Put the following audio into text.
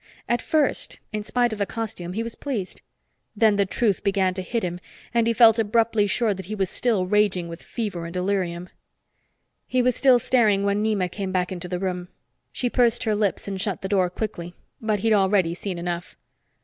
At first, in spite of the costume, he was pleased. Then the truth began to hit him, and he felt abruptly sure he was still raging with fever and delirium. He was still staring when Nema came back into the room. She pursed her lips and shut the door quickly. But he'd already seen enough.